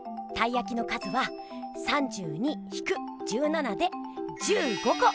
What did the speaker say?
たいやきの数は３２ひく１７で１５こ！